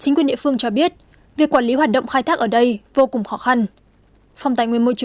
huyện phước sơn được mệnh danh